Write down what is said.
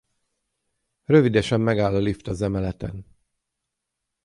Rövidesen megáll a lift az emeleten.